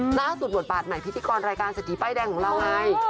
หน้าสุดหมดปาดไหนว์พิกฤติรายการสัตว์ดีป้ายแรงของเราไง